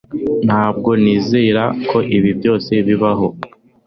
Ntabwo nizera ko ibi byose bibaho